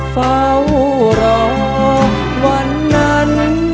เฝ้ารอวันนั้น